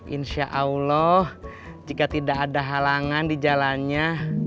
insya allah jika tidak ada halangan di jalannya